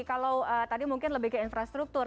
kalau tadi mungkin lebih ke infrastruktur